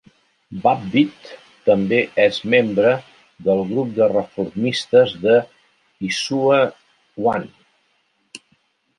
Babbitt també és membre del Grup de reformistes de Issue One.